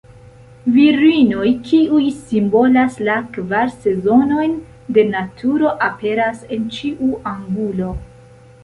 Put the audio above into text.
Virinoj kiuj simbolas la kvar sezonojn de naturo aperas en ĉiu angulo.